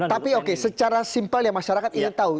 tapi oke secara simpel ya masyarakat ingin tahu